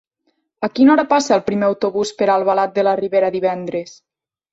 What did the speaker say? A quina hora passa el primer autobús per Albalat de la Ribera divendres?